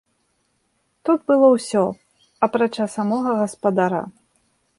Тут было ўсё, апрача самога гаспадара.